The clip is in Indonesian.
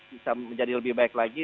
bisa menjadi lebih baik lagi